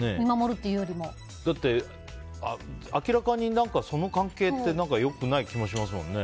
だって、明らかにその関係って良くない気もしますもんね。